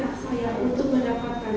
hak saya untuk mendapatkan